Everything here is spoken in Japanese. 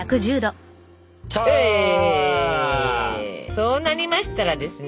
そうなりましたらですね